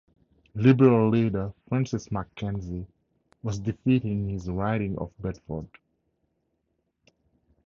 Liberal leader Francis MacKenzie was defeated in his riding of Bedford.